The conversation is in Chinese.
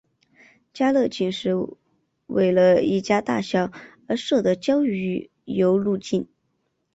家乐径是为了一家大小而设的郊游路径。